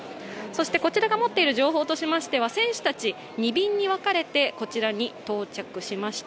こちらが持っている情報としましては、選手たち２便に分かれてこちらに到着しました。